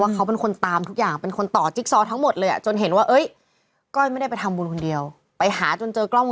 คุณระพีไม่ต่อชิคซอมก็ไม่รู้ขนาดนี้หรอก